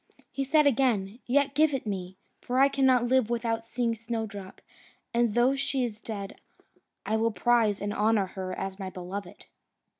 He said again, "Yet give it me; for I cannot live without seeing Snowdrop, and though she is dead, I will prize and honour her as my beloved."